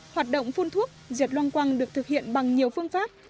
hoạt động phun thuốc diệt loang quăng được thực hiện bằng nhiều phương pháp